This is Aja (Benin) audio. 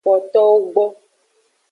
Kpotowo gbo.